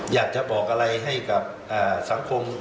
อยากจะบอกอะไรให้กับสังคม